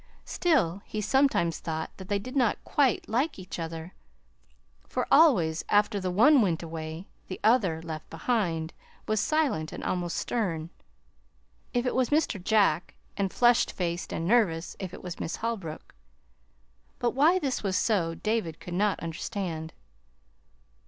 Still, he sometimes thought that they did not quite like each other, for always, after the one went away, the other, left behind, was silent and almost stern if it was Mr. Jack; and flushed faced and nervous if it was Miss Holbrook. But why this was so David could not understand.